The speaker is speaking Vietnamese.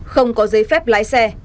không có giấy phép lái xe